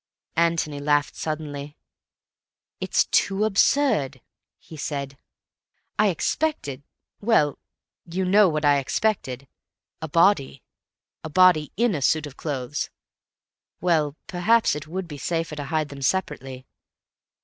Antony laughed suddenly. "It's too absurd," he said. "I expected—well, you know what I expected. A body. A body in a suit of clothes. Well, perhaps it would be safer to hide them separately.